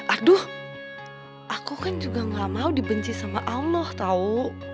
aduh aku kan juga gak mau dibenci sama allah tau